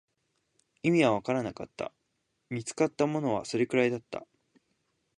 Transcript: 意味はわからなかった、見つかったものはそれくらいだった